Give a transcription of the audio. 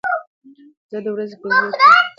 زه د ورځې په اوږدو کې له مختلفو سنکسونو استفاده کوم.